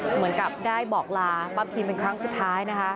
เหมือนกับได้บอกลาป้าพีมเป็นครั้งสุดท้ายนะคะ